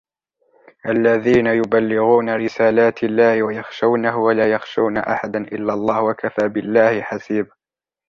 الذين يبلغون رسالات الله ويخشونه ولا يخشون أحدا إلا الله وكفى بالله حسيبا